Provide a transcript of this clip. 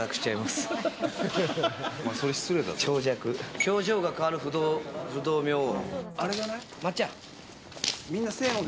表情が変わる不動明王。